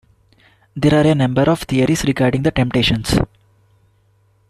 There are a number of theories regarding the temptations.